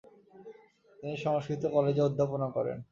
তিনি সংস্কৃত কলেজে অধ্যাপনা করেন।